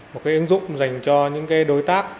một ứng dụng dành cho những đối tác